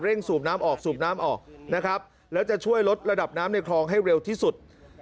สูบน้ำออกสูบน้ำออกนะครับแล้วจะช่วยลดระดับน้ำในคลองให้เร็วที่สุด